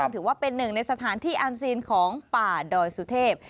ถือว่าเป็นหนึ่งในสถานที่อันซีนของป่าดอยสุเทพ